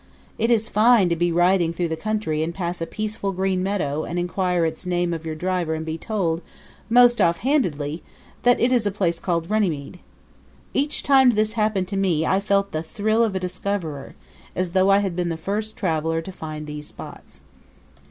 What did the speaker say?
It is fine to be riding through the country and pass a peaceful green meadow and inquire its name of your driver and be told, most offhandedly, that it is a place called Runnymede. Each time this happened to me I felt the thrill of a discoverer; as though I had been the first traveler to find these spots.